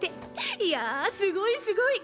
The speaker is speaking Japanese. いやすごいすごい。